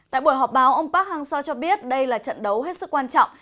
tại buổi họp báo ông park hang seo cho biết đây là trận đấu hết sức quan trọng